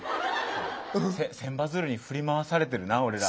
千羽鶴に振り回されてるな俺ら。